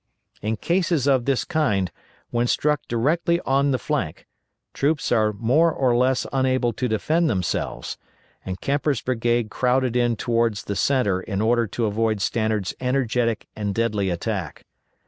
In cases of this kind, when struck directly on the flank, troops are more or less unable to defend themselves, and Kemper's brigade crowded in toward the centre in order to avoid Stannard's energetic and deadly attack.